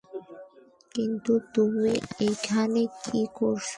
কিন্তু তুমি এখানে কী করছো?